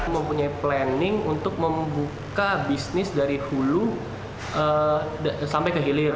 mempunyai planning untuk membuka bisnis dari hulu sampai ke hilir